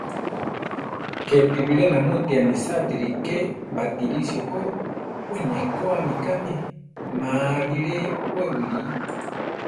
Kepi bilé namúti anisátiri ké Batirisio ko; we nekóami kame; má biré wée wili.